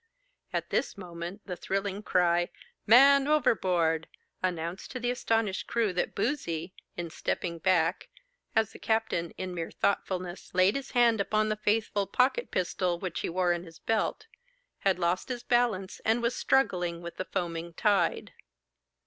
At this moment the thrilling cry, 'Man overboard!' announced to the astonished crew that Boozey, in stepping back, as the captain (in mere thoughtfulness) laid his hand upon the faithful pocket pistol which he wore in his belt, had lost his balance, and was struggling with the foaming tide.